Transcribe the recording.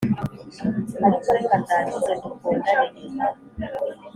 ariko reka ndangize dukundane nyuma."